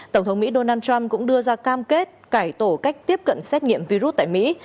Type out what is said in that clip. tổng thống mỹ donald trump cũng đưa ra cam kết cải tổ cách tiếp cận xét nghiệm virus tại mỹ